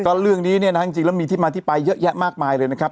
ก็เรื่องนี้เนี่ยนะฮะจริงแล้วมีที่มาที่ไปเยอะแยะมากมายเลยนะครับ